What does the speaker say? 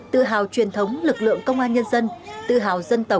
tự hào truyền thống lực lượng công an nhân dân tự hào dân tộc